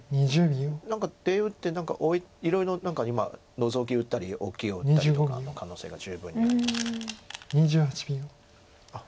何か出を打っていろいろ何か今ノゾキ打ったりオキを打ったりとかの可能性が十分にあります。